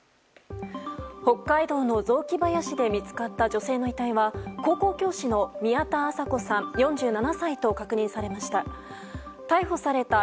北海道の雑木林で見つかった女性の遺体は高校教師の宮田麻子さん４７歳と確認されました。